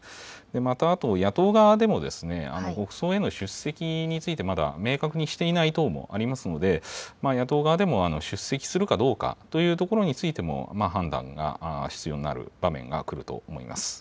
また、あと野党側でも、国葬への出席について、まだ明確にしていない党もありますので、野党側でも出席するかどうかというところについても、判断が必要になる場面が来ると思います。